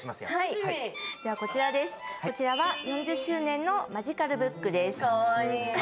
こちらは４０周年のマジカルブックです。